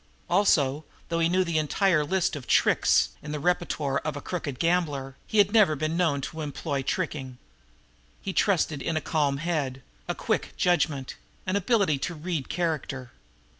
Also, though he knew the entire list of tricks in the repertoire of a crooked gambler, he had never been known to employ tricking. He trusted in a calm head, a quick judgment, an ability to read character.